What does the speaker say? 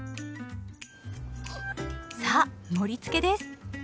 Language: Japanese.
さあ盛りつけです！